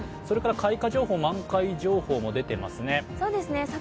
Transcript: それから開花情報・満開情報も出ていますね。